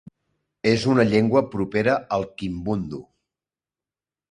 És una llengua propera al kimbundu.